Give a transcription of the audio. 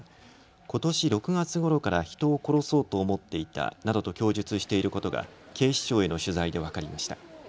ことし６月ごろから人を殺そうと思っていたなどと供述していることが警視庁への取材で分かりました。